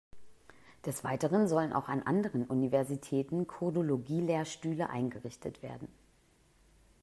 Des Weiteren sollen auch an anderen Universitäten Kurdologie-Lehrstühle eingerichtet werden.